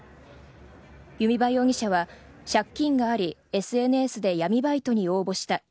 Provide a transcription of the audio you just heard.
弓場容疑者は借金がありＳＮＳで闇バイトに応募した。